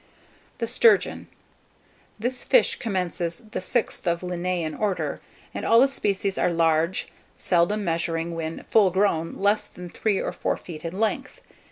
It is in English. [Illustration: THE STURGEON.] THE STURGEON. This fish commences the sixth of Linnaean order, and all the species are large, seldom measuring, when full grown, less than three or four feet in length.